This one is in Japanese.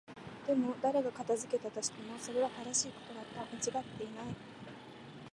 でも、誰が片付けたとしても、それは正しいことだった。間違っていない。